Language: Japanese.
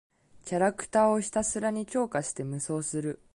キャラクターをひたすらに強化して無双する。